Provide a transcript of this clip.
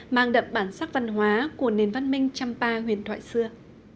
mang đậm bản sắc văn hóa của nền văn minh trăm pa huyền thoại xưa